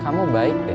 kamu baik deh